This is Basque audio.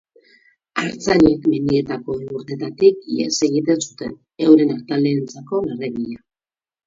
Artzainek mendietako elurteetatik ihes egiten zuten, euren artaldeentzako larre bila.